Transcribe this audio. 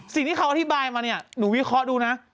สิ่งที่เขาอธิบายมาเนี่ยหนูวิเคราะห์ดูนะ